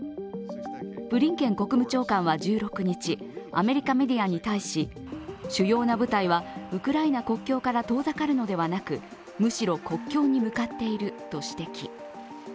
ブリンケン国務長官は１６日、アメリカメディアに対し、主要な部隊はウクライナ国境から遠ざかるのではなく、むしろ国境に向かっていると指摘。